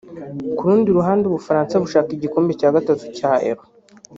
Ku rundi ruhande u Bufaransa bushaka igikombe cya gatatu cya Euro